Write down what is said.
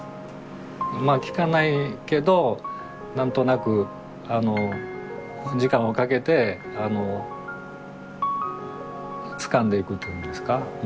まあ聞かないけど何となく時間をかけてつかんでいくというんですか。